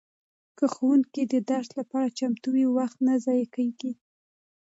که ښوونکی د درس لپاره چمتو وي وخت نه ضایع کیږي.